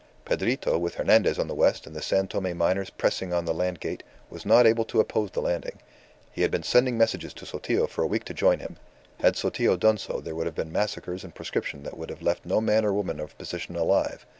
Pedrito, with Hernandez on the west, and the San Tome miners pressing on the land gate, was not able to oppose the landing. He had been sending messages to Sotillo for a week to join him. Had Sotillo done so there would have been massacres and proscription that would have left no man or woman of position alive.